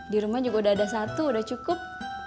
di rumah juga udah ada satu udah cukup